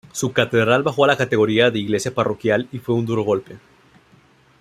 Su catedral bajó a la categoría de iglesia parroquial, y fue un duro golpe.